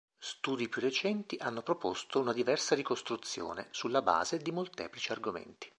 Studi più recenti hanno proposto una diversa ricostruzione, sulla base di molteplici argomenti.